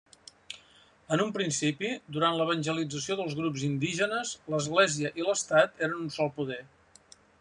En un principi durant l'evangelització dels grups indígenes l'Església i l'Estat eren un sol poder.